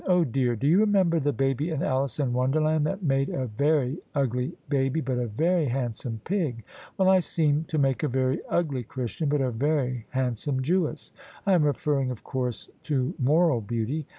"Oh, dear I Do you remember the baby in Alice in Wonderland that made a very ugly baby but a very handsome pig? Well, I seem to make a very ugly Christian but a very handsome Jewess : I am referring of course to moral beauty.